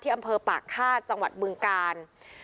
ที่อำเภอป่าฆาตจังหวัดเบืองกาล